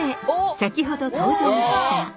先ほど登場した。